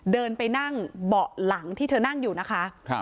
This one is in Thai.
เดินไปนั่งเบาะหลังที่เธอนั่งอยู่นะคะ